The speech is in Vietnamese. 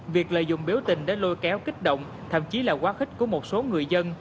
việc lợi dụng biểu tình để lôi kéo kích động thậm chí là quá khích của một số người dân